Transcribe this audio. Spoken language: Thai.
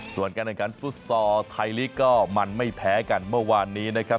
ส่วนการแข่งขันฟุตซอลไทยลีกก็มันไม่แพ้กันเมื่อวานนี้นะครับ